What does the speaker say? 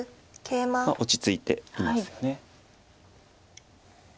落ち着いていますよね。